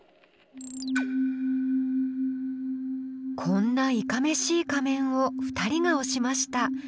こんないかめしい仮面を２人が推しました。